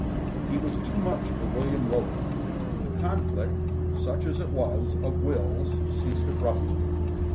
He was too much for William Roper. The conflict, such as it was, of wills ceased abruptly.